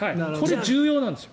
重要なんですよ。